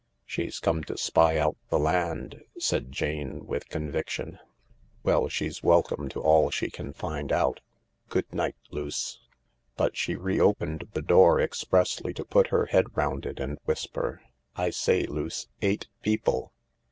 " She's come to spy out the land," said Jane with con viction. " Well, she's welcome to all she can find out. Good night, Luce." But she re opened the door expressly to put her head round it and whisper :" I say, Luce, eight people